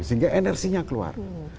sehingga inersinya keluar